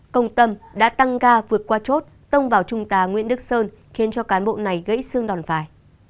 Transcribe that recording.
công tâm đã tăng ga vượt qua chốt tông vào trung tá nguyễn đức sơn khiến cho cán bộ này gãy xương đòn phải